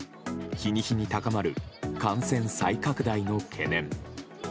日に日に高まる感染再拡大の懸念。